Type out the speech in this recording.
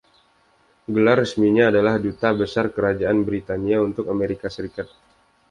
Gelar resminya adalah Duta Besar Kerajaan Britania untuk Amerika Serikat.